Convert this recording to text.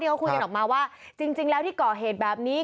เขาคุยกันออกมาว่าจริงแล้วที่ก่อเหตุแบบนี้